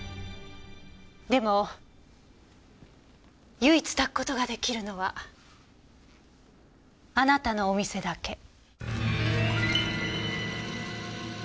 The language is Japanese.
でも唯一たく事が出来るのはあなたのお店だけ。